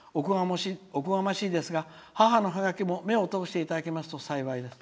おこがましいですが母のハガキも目を通していただけますと幸いです」。